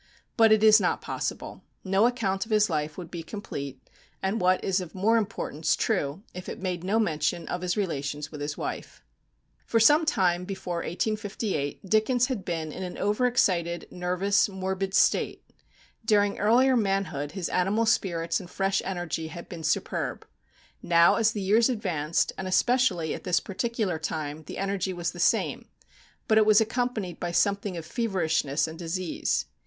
But it is not possible. No account of his life would be complete, and what is of more importance, true, if it made no mention of his relations with his wife. For some time before 1858 Dickens had been in an over excited, nervous, morbid state. During earlier manhood his animal spirits and fresh energy had been superb. Now, as the years advanced, and especially at this particular time, the energy was the same; but it was accompanied by something of feverishness and disease.